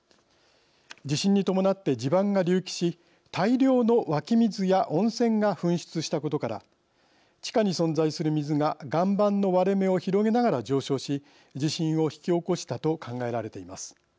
地震に伴って地盤が隆起し大量の湧き水や温泉が噴出したことから地下に存在する水が岩盤の割れ目を広げながら上昇し地震を引き起こしたと考えられています。